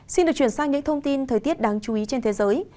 xin được chuyển sang những thông tin thời tiết đáng chú ý trên thế giới